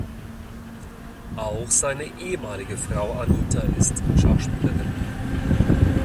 Auch seine ehemalige Frau Anita ist Schachspielerin.